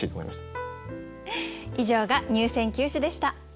以上が入選九首でした。